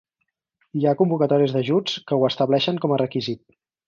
Hi ha convocatòries d'ajuts que ho estableixen com a requisit.